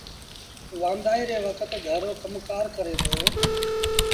وآݩدآئيٚ ري وکت گھر رو ڪم ڪآر ڪري دو